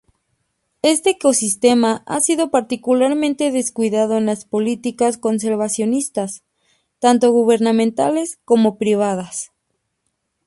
Este ecosistema ha sido particularmente descuidado en las políticas conservacionistas, tanto gubernamentales como privadas.